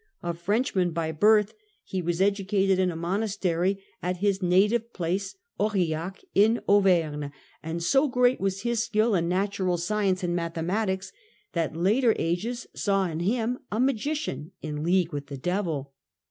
A Frenchman by birth, he was educated in a monastery at his native place, Aurillac in Auvergne, and so great was his skill in natural science and mathematics that later ages saw in him a magician, in league with the devil.